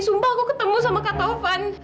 sumba aku ketemu sama kak taufan